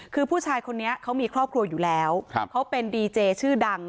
คือผู้ชายคนนี้เขามีครอบครัวอยู่แล้วเขาเป็นดีเจชื่อดัง